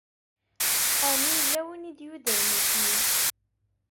Ɛni yella win i d-yuddren isem-iw?